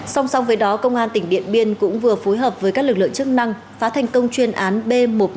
song song với đó công an tỉnh điện biên cũng vừa phối hợp với các lực lượng chức năng phá thành công chuyên án b một trăm một mươi năm